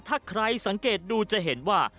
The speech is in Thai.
ถ้าใครสังเกตดูจะเห็นว่า